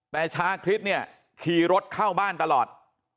แต่ชาคริสเนี่ยขี่รถเข้าบ้านตลอด